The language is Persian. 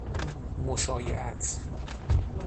مشایعت